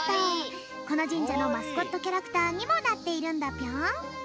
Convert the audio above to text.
このじんじゃのマスコットキャラクターにもなっているんだぴょん。